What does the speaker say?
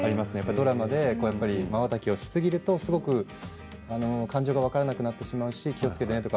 ドラマで、まばたきをしすぎると、すごく感情が分からなくなってしまうし気をつけてねと。